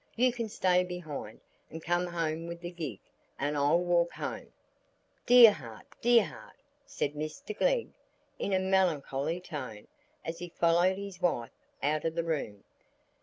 You can stay behind, and come home with the gig, and I'll walk home." "Dear heart, dear heart!" said Mr Glegg in a melancholy tone, as he followed his wife out of the room.